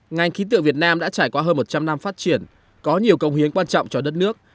ngành khí tượng việt nam đã trải qua hơn một trăm linh năm phát triển có nhiều công hiến quan trọng cho đất nước